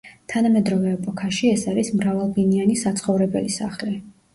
თანამედროვე ეპოქაში ეს არის მრავალბინიანი საცხოვრებელი სახლი.